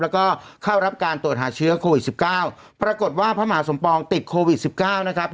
แล้วก็เข้ารับการตรวจหาเชื้อโควิดสิบเก้าปรากฏว่าพระมหาสมปองติดโควิดสิบเก้านะครับ